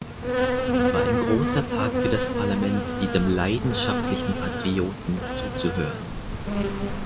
Es war ein großer Tag für das Parlament, diesem leidenschaftlichen Patrioten zuzuhören.